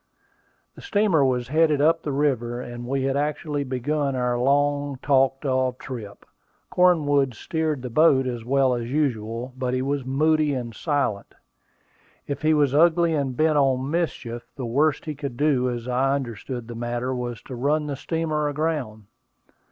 The steamer was headed up the river, and we had actually begun our long talked of trip. Cornwood steered the boat as well as usual, but he was moody and silent. If he was ugly and bent on mischief, the worst he could do, as I understood the matter, was to run the steamer aground.